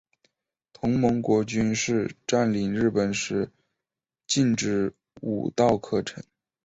同盟国军事占领日本时禁止武道课程。